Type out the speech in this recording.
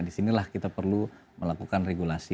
nah di sini lah kita perlu melakukan regulasi